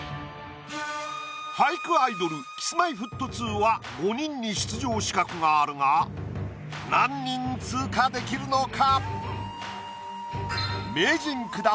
俳句アイドルＫｉｓ−Ｍｙ−Ｆｔ２は５人に出場資格があるが何人通過できるのか？